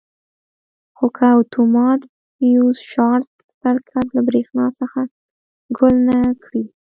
خو که اتومات فیوز شارټ سرکټ له برېښنا څخه ګل نه کړي.